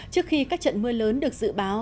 trước khi các trận mưa lớn được dự báo